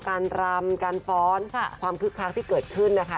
รำการฟ้อนความคึกคักที่เกิดขึ้นนะคะ